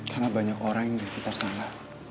karena banyak orang yang di sekitar sana